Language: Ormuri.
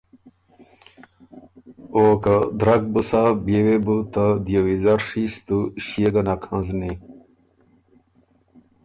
او ”که درک بُو سۀ بيې وې بو ته دیو ویزر ڒیستُو ݭيې ګه نک هنزنی“